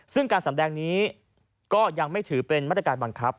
ซึ่งการสำแดงนี้ก็ยังไม่ถือเป็นมาตรการบังคับ